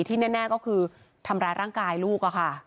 ที่แน่ก็คือทำร้ายร่างกายลูกค่ะ